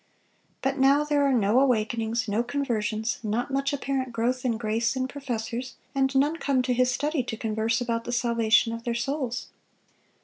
But now there are no awakenings, no conversions, not much apparent growth in grace in professors, and none come to his study to converse about the salvation of their souls.